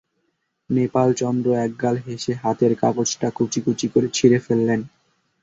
নেপাল চন্দ্র একগাল হেসে হাতের কাগজটা কুচি কুচি করে ছিঁড়ে ফেললেন।